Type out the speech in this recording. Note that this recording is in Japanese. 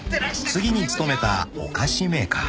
［次に勤めたお菓子メーカー］